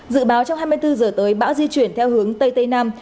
dự báo trong hai mươi bốn giờ tới bão di chuyển theo hướng tây tây nam